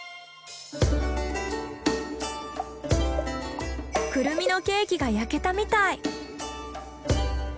クルミのケーキが焼けたみたい。